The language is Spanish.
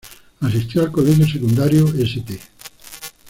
Asistió al colegio secundario St.